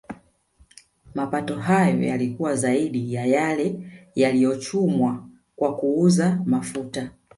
Mapato hayo yalikuwa zaidi ya yale yaliyochumwa kwa kuuza mafuta